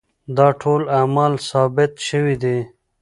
دا ټول اعمال ثابت شوي دي.